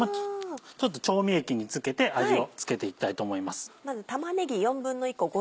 調味液につけて味を付けていきたいと思います。